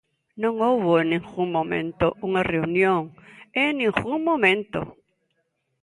Non houbo en ningún momento unha reunión, ¡en ningún momento!